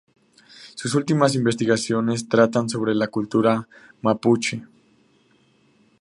Sus últimas investigaciones tratan sobre la cultura mapuche.